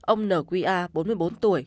ông n q a bốn mươi bốn tuổi